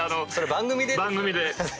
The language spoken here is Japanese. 番組で。